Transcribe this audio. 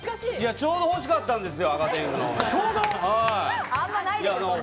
ちょうど欲しかったんですよ。